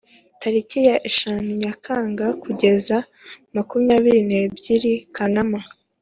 Tariki ya eshanu Nyakanga kugeza makumyabiri n’ebyiri Kanama